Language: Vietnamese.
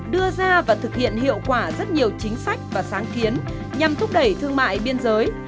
đưa ra và thực hiện hiệu quả rất nhiều chính sách và sáng kiến nhằm thúc đẩy thương mại biên giới